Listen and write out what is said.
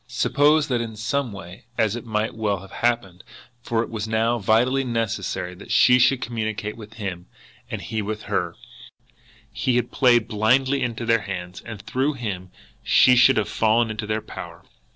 Suppose that in some way, as it might well have happened, for it was now vitally necessary that she should communicate with him and he with her, he had played blindly into their hands, and through him she should have fallen into their power!